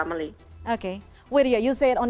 widya anda mengatakan di surat anda